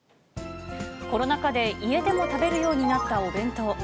コロナ禍で家でも食べるようになったお弁当。